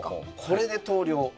これで投了。